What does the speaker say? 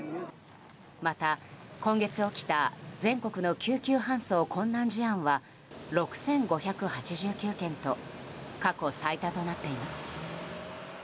また今月起きた全国の救急搬送困難事案は６５８９件と過去最多となっています。